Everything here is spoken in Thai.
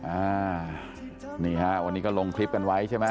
อ่านี่ฮะวันนี้ก็ลงคลิปกันไว้ใช่ไหม